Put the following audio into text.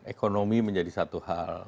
ekonomi menjadi satu hal